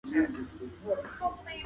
هیلې انسان ژوندی ساتي.